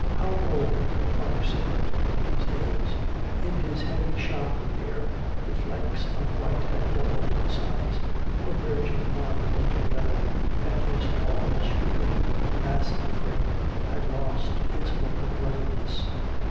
How old her father seemed, these days! In his heavy shock of hair the flecks of white had doubled in size, were merging one into the other, and his tall, stooping, massive frame had lost its look of ruggedness.